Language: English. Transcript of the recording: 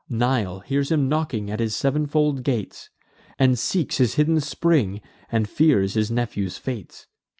Nile hears him knocking at his sev'nfold gates, And seeks his hidden spring, and fears his nephew's fates.